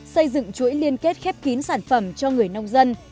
xây dựng chuỗi liên kết khép kín sản phẩm cho người nông dân